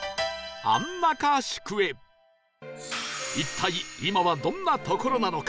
一体今はどんな所なのか？